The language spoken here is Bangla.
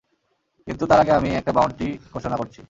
কিন্তু তার আগে আমি একটা বাউন্টি ঘোষণা করছি।